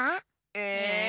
え？